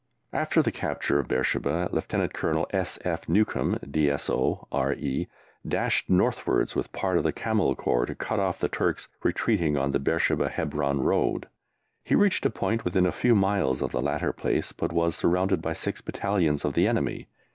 After the capture of Beersheba, Lieutenant Colonel S. F. Newcombe, D.S.O., R.E., dashed northwards with part of the Camel Corps, to cut off the Turks retreating on the Beersheba Hebron Road. He reached a point within a few miles of the latter place, but was surrounded by six battalions of the enemy.